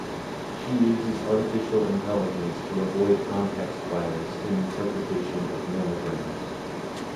She uses artificial intelligence to avoid context bias in interpretation of mammograms.